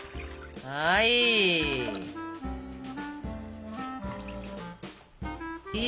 はい！